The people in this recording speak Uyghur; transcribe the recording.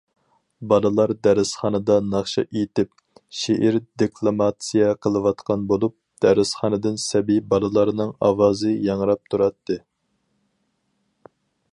بالىلار دەرسخانىدا ناخشا ئېيتىپ، شېئىر دېكلاماتسىيە قىلىۋاتقان بولۇپ، دەرسخانىدىن سەبىي بالىلارنىڭ ئاۋازى ياڭراپ تۇراتتى.